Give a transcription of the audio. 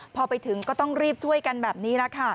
พอไปถึงก็ต้องรีบช่วยกันแบบนี้